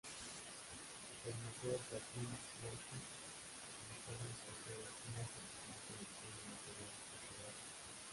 El museo Plantin-Moretus Museum posee una excepcional colección de material tipográfico.